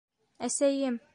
Әсәйем!